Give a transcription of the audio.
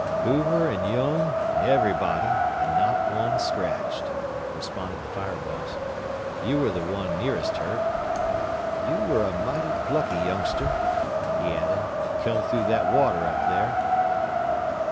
"Hoover and Young, and everybody, and not one scratched," responded the fire boss. "You were the one nearest hurt. "You were a mighty plucky youngster," he added, "to come through that water up there."